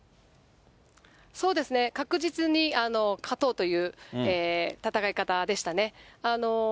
そうですね、確実に勝とうという戦い方でしたね。